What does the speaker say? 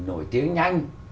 nổi tiếng nhanh